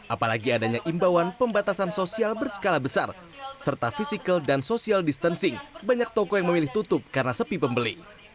apalagi adanya imbauan pembatasan sosial berskala besar serta physical dan social distancing banyak toko yang memilih tutup karena sepi pembeli